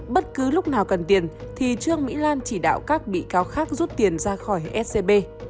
bất cứ lúc nào cần tiền thì trương mỹ lan chỉ đạo các bị cáo khác rút tiền ra khỏi scb